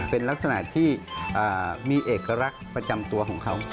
เป็นลักษณะที่มีเอกลักษณ์ประจำตัวของเขา